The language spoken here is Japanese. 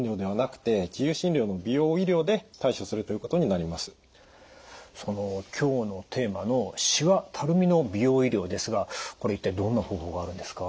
あくまでもその今日のテーマのしわ・たるみの美容医療ですがこれ一体どんな方法があるんですか？